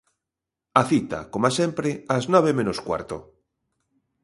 A cita, coma sempre, as nove menos cuarto.